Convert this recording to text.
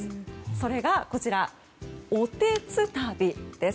それがこちら、おてつたびです。